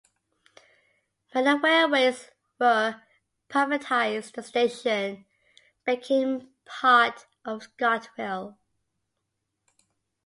When the railways were privatised the station became part of ScotRail.